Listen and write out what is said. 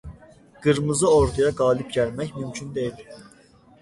Qırmızı orduya qalib gəlmək mümkün deyil.